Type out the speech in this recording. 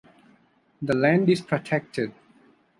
The land is protected.